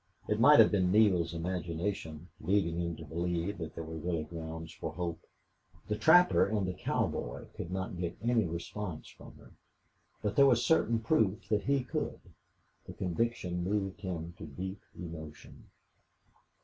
It might have been Neale's imagination leading him to believe that there were really grounds for hope. The trapper and the cowboy could not get any response from her, but there was certain proof that he could. The conviction moved him to deep emotion.